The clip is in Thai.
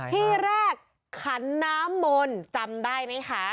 ที่แรกขันน้ำมนต์จำได้ไหมคะ